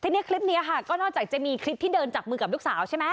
ทีนี้คลิปนี้ค่ะก็นอกจากจะมีคลิปที่เดินจับมือกับลูกสาวใช่ไหม